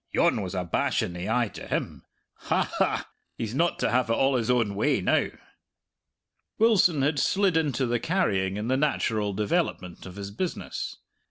"Yon was a bash in the eye to him. Ha, ha! he's not to have it all his own way now!" Wilson had slid into the carrying in the natural development of business.